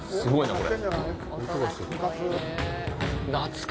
これ？